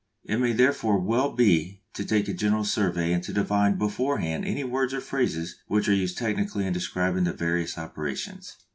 It may therefore be well to take a general survey and to define beforehand any words or phrases which are used technically in describing the various operations.